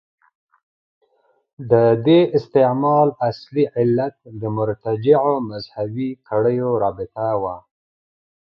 د دې استعمال اصلي علت د مرتجعو مذهبي کړیو رابطه وه.